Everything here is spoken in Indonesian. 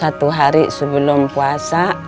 satu hari sebelum puasa